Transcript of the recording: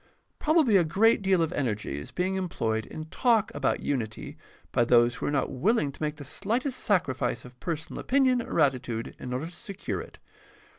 Probably a great deal of energy is being employed in talk about unity by those who are not willing to make the slightest sacrifice of personal opinion or attitude in order to secure it.